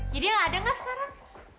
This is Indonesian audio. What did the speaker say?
jadi nggak ada nggak sekarang